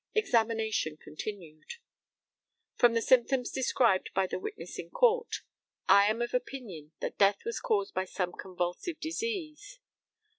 Examination continued: From the symptoms described by the witnesses in court, I am of opinion that death was caused by some convulsive disease.